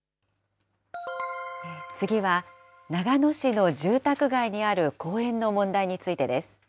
次は、長野市の住宅街にある公園の問題についてです。